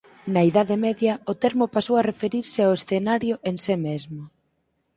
Na Idade Media o termo pasou a referirse ao escenario en se mesmo.